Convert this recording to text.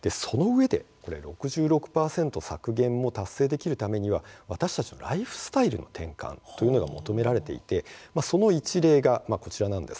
そのうえで６６％削減を達成するためには私たちのライフスタイルの転換が求められていてその一例が、こちらです。